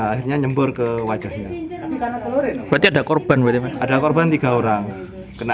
akhirnya nyembur ke wajahnya berarti ada korban berarti ada korban tiga orang kena